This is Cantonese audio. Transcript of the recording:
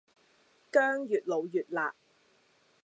薑越老越辣